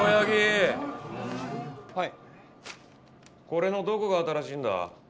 これのどこが新しいんだ？